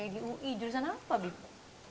di ui jurusan apa bip